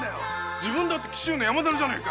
自分だって紀州の山猿じゃねえか。